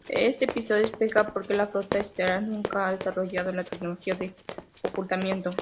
Este episodio explica porque la Flota Estelar nunca ha desarrollado la tecnología de ocultamiento.